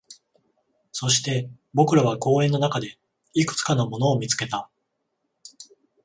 そして、僕らは公園の中でいくつかのものを見つけた